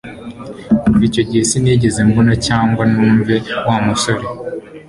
Kuva icyo gihe sinigeze mbona cyangwa numva Wa musore